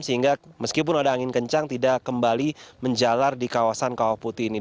sehingga meskipun ada angin kencang tidak kembali menjalar di kawasan kawah putih ini